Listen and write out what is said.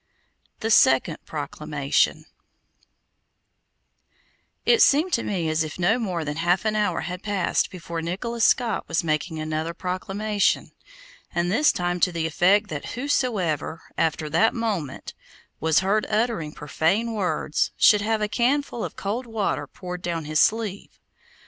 THE SECOND PROCLAMATION It seemed to me as if no more than half an hour had passed before Nicholas Skot was making another proclamation, and this time to the effect that whosoever, after that moment, was heard uttering profane words, should have a can full of cold water poured down his sleeve.